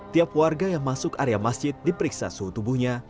tiap warga yang masuk area masjid diperiksa suhu tubuhnya